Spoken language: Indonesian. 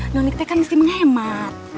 noni teh kan mesti menghemat